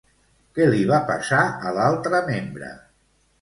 Què li va passar a l'altre membre?